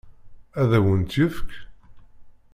Ad awen-t-yefk?